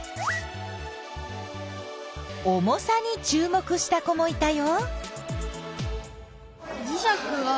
重さにちゅう目した子もいたよ。